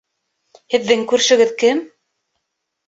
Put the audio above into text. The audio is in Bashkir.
Һеҙҙең күршегеҙ кем?